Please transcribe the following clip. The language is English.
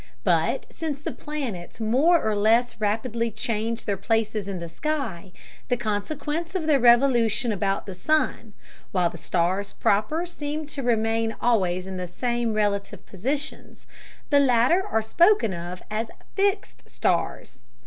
But since the planets more or less rapidly change their places in the sky, in consequence of their revolution about the sun, while the stars proper seem to remain always in the same relative positions, the latter are spoken of as "fixed stars."